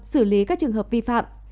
xử lý các trường hợp vi phạm